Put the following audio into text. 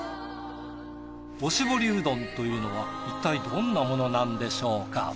おしぼりうどんというのはいったいどんなものなんでしょうか？